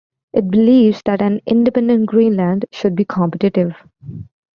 It believes that an independent Greenland should be competitive.